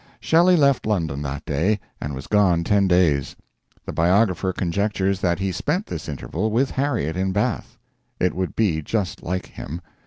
Shelley left London that day, and was gone ten days. The biographer conjectures that he spent this interval with Harriet in Bath. It would be just like him.